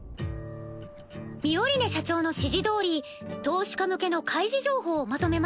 ミオリネ社長の指示どおり投資家向けの開示情報をまとめました。